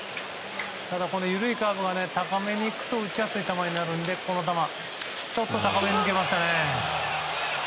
ただ、緩いカーブは高めにいくと打ちやすい球になってちょっと高めに抜けましたね。